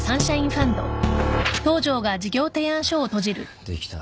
できた。